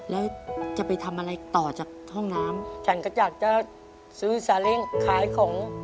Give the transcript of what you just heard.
แล้วจะไปทำอะไรต่อจากห้องน้ำฉันก็อยากจะซื้อสาเล้งขายของ